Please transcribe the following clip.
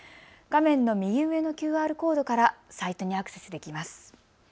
画面の右上のＱＲコードからサイトにアクセスできます。